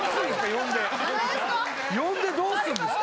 呼んで呼んでどうすんですか？